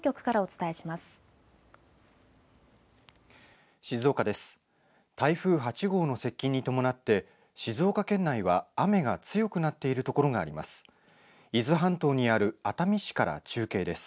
台風８号の接近に伴って静岡県内は雨が強くなっている所があります。